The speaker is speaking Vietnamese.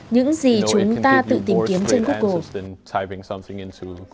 những gì chúng ta tự tìm kiếm trên google